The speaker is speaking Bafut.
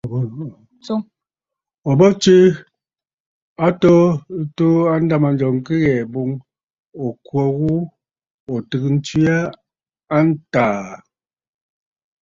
Ò bə tswe a atoo ɨ tuu a ndâmanjɔŋ kɨ ghɛ̀ɛ̀ boŋ ò kwo ghu ò tɨgə̀ ntswe ghu a ntàà.